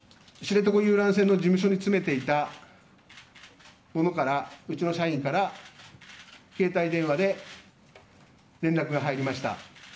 私は知床遊覧船の事務所に詰めていた者からうちの社員から携帯電話で連絡が入りました。